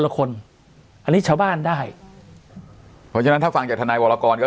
ละคนอันนี้ชาวบ้านได้เพราะฉะนั้นถ้าฟังจากทนายวรกรก็